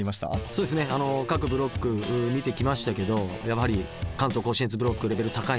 そうですね各ブロック見てきましたけどやはり関東甲信越ブロックレベル高いなという印象でしたね。